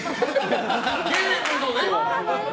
ゲームのね！